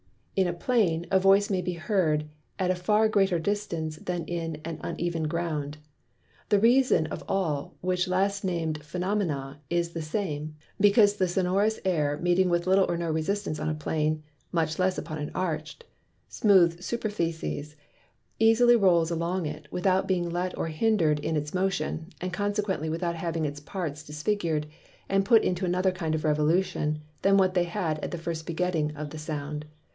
In a Plain a Voice may be heard at a far greater distance than in uneven Ground. The Reason of all which last nam'd Phænomena is the same; because the Sonorous Air meeting with little or no resistance upon a Plane (much less upon an Arch'd) smooth Superficies, easily rowls along it, without being let or hinder'd in its Motion, and consequently without having its parts disfigured, and put into another kind of Revolution, than what they had at the first begetting of the Sound.